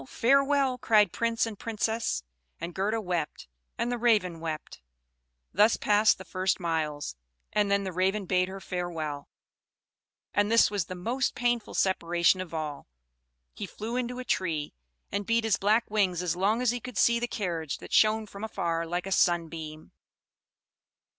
Farewell!" cried Prince and Princess; and Gerda wept, and the Raven wept. Thus passed the first miles; and then the Raven bade her farewell, and this was the most painful separation of all. He flew into a tree, and beat his black wings as long as he could see the carriage, that shone from afar like a sunbeam.